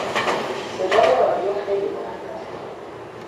صدای رادیو خیلی بلند است.